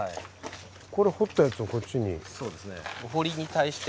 これ掘ったやつをこっちに。